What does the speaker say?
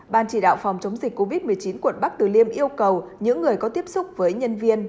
ban chỉ đạo phòng chống dịch covid một mươi chín quận bắc từ liêm yêu cầu những người có tiếp xúc với nhân viên